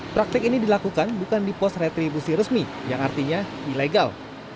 praktek ini dilakukan bukan di pos retribusi resmi yang artinya ilegal